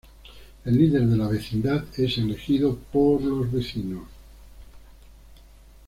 El líder de la vecindad es elegido por los vecinos.